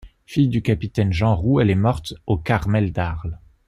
Fille du capitaine Jean Roux, elle est morte au Carmel d'Arles.